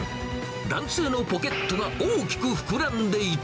男性のポケットが大きく膨らんでいた。